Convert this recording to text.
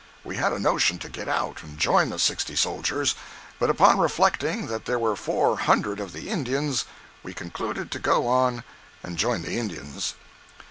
We had a notion to get out and join the sixty soldiers, but upon reflecting that there were four hundred of the Indians, we concluded to go on and join the Indians.